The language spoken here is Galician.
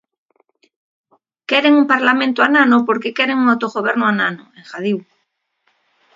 Queren un parlamento anano porque queren un autogoberno anano, engadiu.